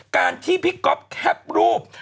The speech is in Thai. การที่ครอบครับรูป